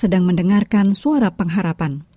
sedang mendengarkan suara pengharapan